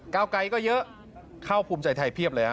เก้าไกรก็เยอะเข้าภูมิใจไทยเพียบเลยฮะ